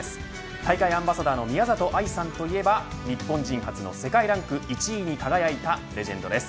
大会アンバサダーの宮里藍さんといえば日本人初の世界ランク１位に輝いたレジェンドです。